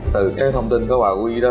từ cái thông tin của bà huy đó